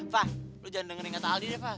fah lo jangan dengerin kata aldi deh fah